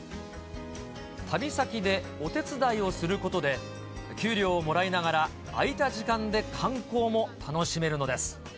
たびさきでおてつだいをすることで、給料をもらいながら、空いた時間で観光も楽しめるのです。